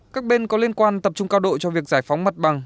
các bên có liên quan tập trung cao độ cho việc giải phóng mặt bằng